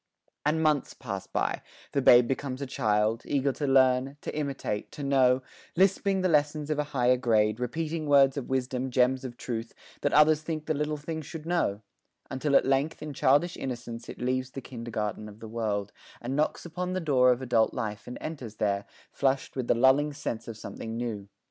And months pass by the babe becomes a child, Eager to learn, to imitate, to know, Lisping the lessons of a higher grade, Repeating words of wisdom, gems of truth That others think the little thing should know; Until at length in childish innocence It leaves the kindergarten of the world, And knocks upon the door of adult life, And enters there, flushed with the lulling sense Of something new.